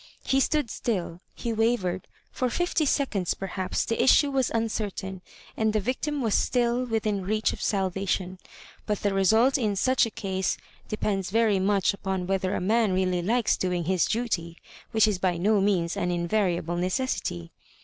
He stood still, he wavered — for fifty seconds perhaps the issue was uncertain, and the victim was stil^ within reach of salvation; but the result in such a case de pends very much upon whether a man really likes doing his duty, which is by no means an invariable necessity.